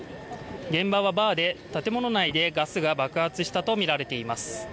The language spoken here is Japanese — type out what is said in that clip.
現場はバーで、建物内でガスが爆発したとみられています。